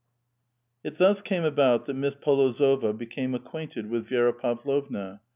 It thus came about that Miss P6lozova became acquainted with Vi^ra Pavlovna.